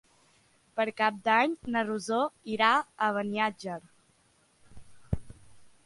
Per Cap d'Any na Rosó irà a Beniatjar.